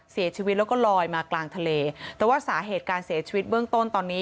เสียชีวิตแล้วก็ลอยมากลางทะเลแต่ว่าสาเหตุการเสียชีวิตเบื้องต้นตอนนี้